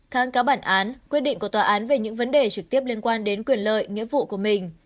kháng cáo bản án quyết định của tòa án về những vấn đề trực tiếp liên quan đến quyền lợi nghĩa vụ của mình